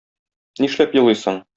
Нишләп елыйсың?